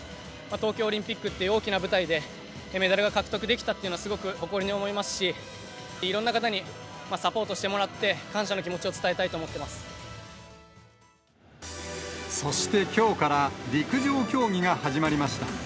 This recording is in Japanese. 東京オリンピックっていう大きな舞台で、メダルが獲得できたっていうのはすごく誇りに思いますし、いろんな方にサポートしてもらって、感謝の気持ちを伝えたいと思ってそして、きょうから陸上競技が始まりました。